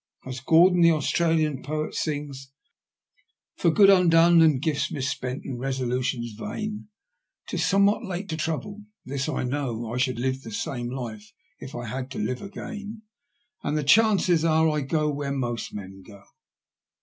As Gordon, the Australian poet, sings: —"< For good undone, and gifts misspent and resolutions vain, 'Tis somewhat late to trouble. This I know — I should live the same life, if I had to live again ; And the chances are I go where most men go.'